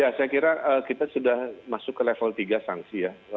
ya saya kira kita sudah masuk ke level tiga sanksi ya